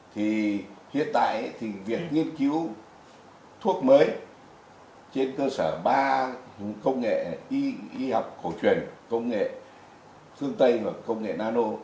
thì hiện tại thì việc nghiên cứu thuốc mới trên cơ sở ba công nghệ y học cổ truyền công nghệ phương tây và công nghệ nano